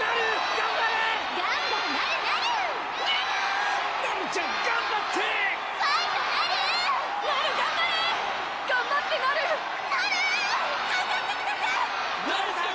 頑張ってください！